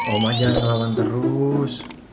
omah jangan selawan terus